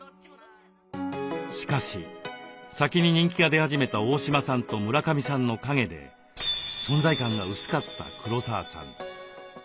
しかし先に人気が出始めた大島さんと村上さんの陰で存在感が薄かった黒沢さん。